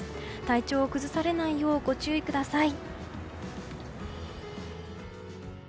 体調を崩されないようご注意ください。